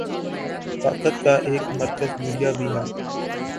طاقت کا ایک مرکز میڈیا بھی ہے۔